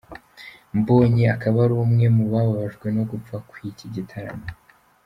Mbonyi akaba ari umwe mu bababajwe no gupfa kw'iki gitaramo.